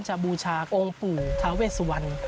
จะบูชากองค์ปู่ทาเวสวัน